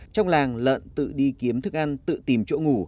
trong làng lợn tự đi kiếm thức ăn tự tìm chỗ ngủ